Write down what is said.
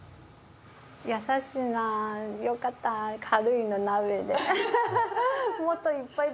優しいな、よかった、軽い鍋で。